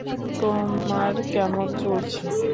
তোমার কেমন চলছে?